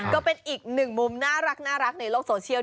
ก็เป็นอีกหนึ่งมุมน่ารักในโลกโซเชียล